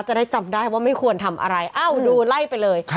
จะได้จำได้ว่าไม่ควรทำอะไรเอ้าดูไล่ไปเลย